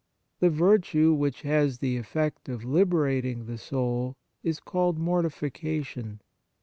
The virtue which has the effect of libera ting the soul is called mortification.